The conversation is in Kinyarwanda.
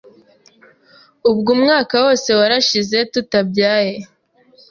ubwo umwaka wose warashize tutabyaye